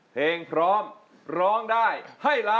เพลงพร้อมร้องได้